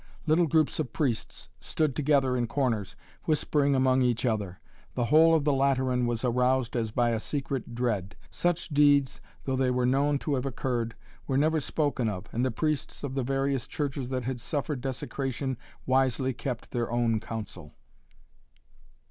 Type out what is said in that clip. Little groups of priests stood together in corners, whispering among each other; the whole of the Lateran was aroused as by a secret dread. Such deeds, though they were known to have occurred, were never spoken of, and the priests of the various churches that had suffered desecration wisely kept their own counsel.